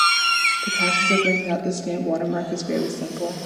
The process of bringing out the stamp watermark is fairly simple.